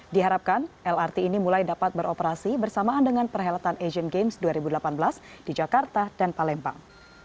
diharapkan lrt ini mulai dapat beroperasi bersamaan dengan perhelatan asian games dua ribu delapan belas di jakarta dan palembang